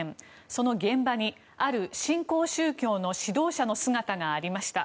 その現場に、ある新興宗教の指導者の姿がありました。